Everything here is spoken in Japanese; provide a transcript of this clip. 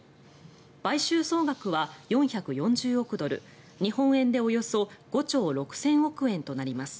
買収総額は４４０億ドル日本円でおよそ５兆６０００億円となります。